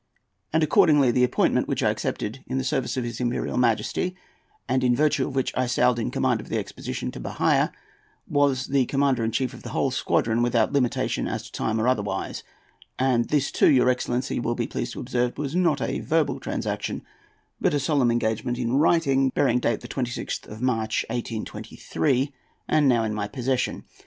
And accordingly the appointment which I accepted in the service of his Imperial Majesty, and in virtue of which I sailed in command of the expedition to Bahia, was that of commander in chief of the whole squadron, without limitation as to time or otherwise; and this, too, your excellency will be pleased to observe, was not a verbal transaction, but a solemn engagement in writing, bearing date the 26th day of March, 1823, and now in my possession.